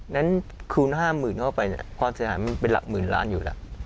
นั้นคูณ๕หมื่นเข้าไปเนี่ยความสัญญาณมันเป็นหลักหมื่นล้านอยู่แล้ว